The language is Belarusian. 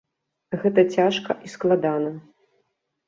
Гэта цяжка і складана.